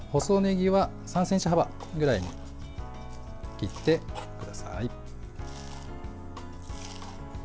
細ねぎは、３ｃｍ幅ぐらいに切ってください。